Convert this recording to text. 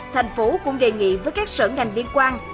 thành phố cũng đề nghị với các sở ngành liên quan